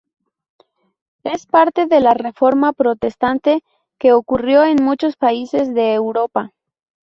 Es parte de la reforma protestante que ocurrió en muchos países de Europa.